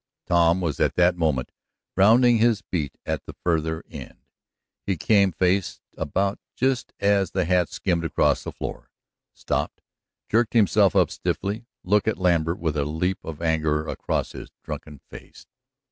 Tom was at that moment rounding his beat at the farther end. He came face about just as the hat skimmed across the floor, stopped, jerked himself up stiffly, looked at Lambert with a leap of anger across his drunken face.